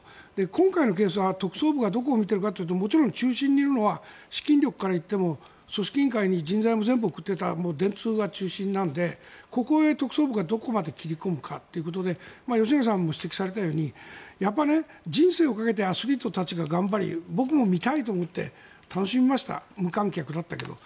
今回のケースは特捜部がどこを見ているかというともちろん中心にいるのは資金力から言っても組織委員会に人材も全部送っていた電通が中心なのでここへ特捜部がどこまで切り込むかということで吉永さんも指摘されたように人生をかけてアスリートたちが頑張り僕も見たいと思って楽しみました無観客だったけど。